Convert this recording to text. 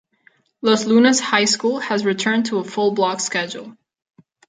Los Lunas High School has returned to a full-block schedule.